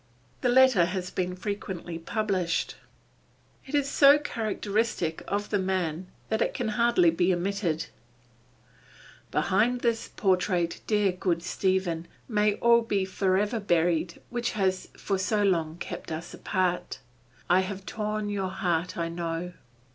The letter has been frequently published. It is so characteristic of the man that it can hardly be omitted: "Behind this portrait, dear, good Stephen, may all be forever buried which has for so long kept us apart. I have torn your heart I know.